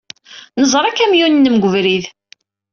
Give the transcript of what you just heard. Neẓra akamyun-nnem deg ubrid.